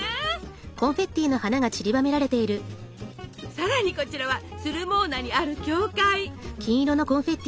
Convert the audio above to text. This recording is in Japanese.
さらにこちらはスルモーナにある教会！